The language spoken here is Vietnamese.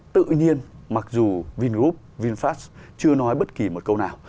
tự nhiên mặc dù vingroup vinfast chưa nói bất kỳ một câu nào